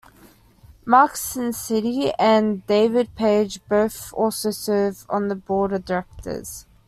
Mark Cenci and David Page both also serve on the Board of Directors.